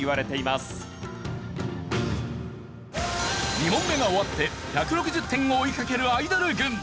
２問目が終わって１６０点を追いかけるアイドル軍。